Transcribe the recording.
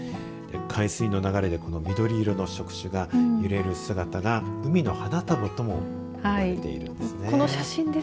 海水の流れで緑色の触手が揺れる姿が海の花束とも呼ばれているんですね。